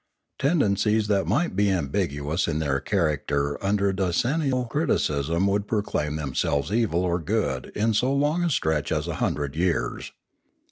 Tenden cies that might be ambiguous in their character under a decennial criticism would proclaim themselves evil or good in so long a stretch as a hundred years.